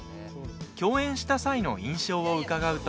共演した際の印象を伺うと。